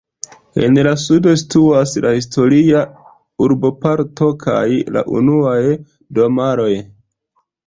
En la sudo situas la historia urboparto kaj la unuaj domaroj.